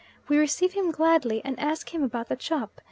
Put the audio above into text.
We receive him gladly, and ask him about the chop.